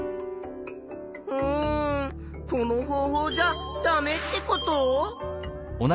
うんこの方法じゃダメってこと？